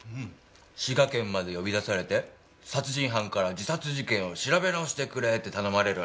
滋賀県まで呼び出されて殺人犯から自殺事件を調べ直してくれって頼まれるなんてね。